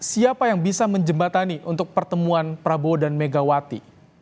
siapa yang bisa menjembatani untuk pertemuan prabowo dan megawati